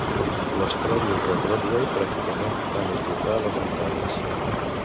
Les prèvies de Broadway pràcticament van esgotar les entrades.